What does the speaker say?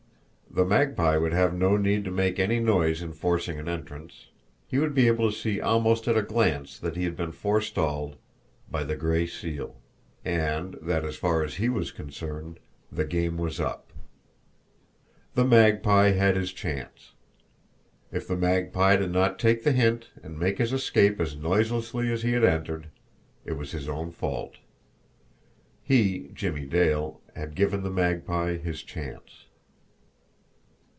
The Magpie would have no need to make any noise in forcing an entrance; he would be able to see almost at a glance that he had been forestalled by the Gray Seal; and that, as far as he was concerned, the game was up. The Magpie had his chance! If the Magpie did not take the hint and make his escape as noiselessly as he had entered it was his own fault! He, Jimmie Dale, had given the Magpie his chance.